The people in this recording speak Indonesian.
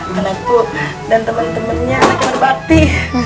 ternyata dan temen temennya berbakti